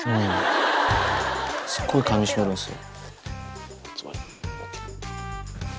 すっごいかみしめるんですよ。